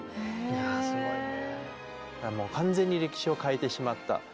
いやすごいね。